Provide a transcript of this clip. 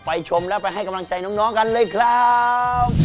ชมแล้วไปให้กำลังใจน้องกันเลยครับ